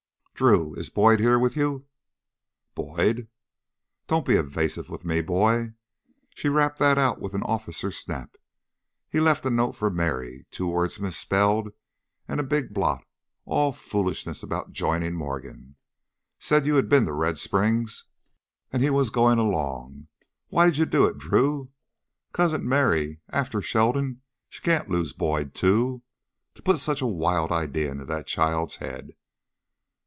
"Drew, is Boyd here with you?" "Boyd?" "Don't be evasive with me, boy!" She rapped that out with an officer's snap. "He left a note for Merry two words misspelled and a big blot all foolishness about joining Morgan. Said you had been to Red Springs, and he was going along. Why did you do it, Drew? Cousin Merry ... after Sheldon, she can't lose Boyd, too! To put such a wild idea into that child's head!"